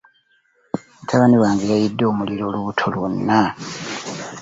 Mutabani wange yayidde omuliro olubuto lwona.